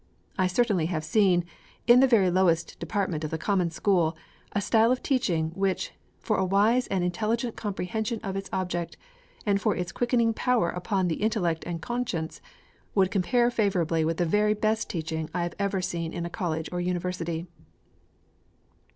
I certainly have seen, in the very lowest department of the common school, a style of teaching, which, for a wise and intelligent comprehension of its object, and for its quickening power upon the intellect and conscience, would compare favorably with the very best teaching I have ever seen in a College or University.